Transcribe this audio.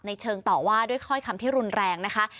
เชิงต่อว่าด้วยถ้อยคำที่รุนแรงนะคะ